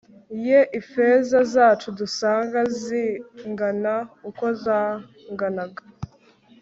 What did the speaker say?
ye ifeza zacu dusanga zingana uko zanganaga